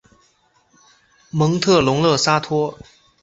蒙特龙勒沙托。